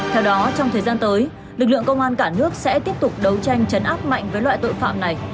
theo đó trong thời gian tới lực lượng công an cả nước sẽ tiếp tục đấu tranh chấn áp mạnh với loại tội phạm này